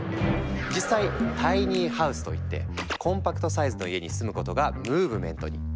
実際「タイニーハウス」といってコンパクトサイズの家に住むことがムーブメントに！